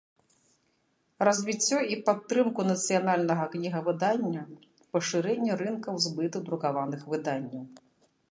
Развiццё i падтрымку нацыянальнага кнiгавыдання, пашырэнне рынкаў збыту друкаваных выданняў.